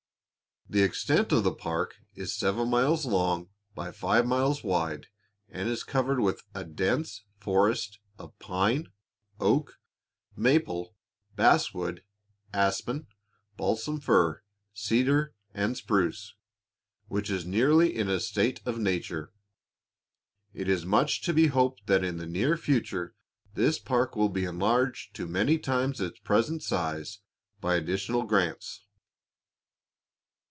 The extent of the park is seven miles long by five miles wide, and is covered with a dense forest of pine, oak, maple, basswood, aspen, balsam fir, cedar and spruce, which is nearly in a state of nature. It is much to be hoped that in the near future this park will be enlarged to many times its present size by additional grants.